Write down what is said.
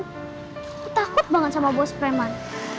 aku takut banget sama bos preman